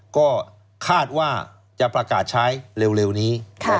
ก็คาดว่าจะประกาศใช้เร็วนี้